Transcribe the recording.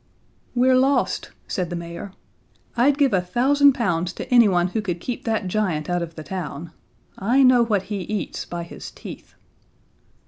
"We're lost," said the mayor. "I'd give a thousand pounds to anyone who could keep that giant out of the town. I know what he eats by his teeth."